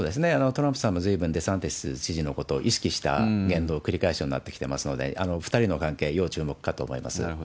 トランプさんも随分デサンテス知事のことを意識した言動繰り返すようになってきてますので、２人の関係、要注目かと思います。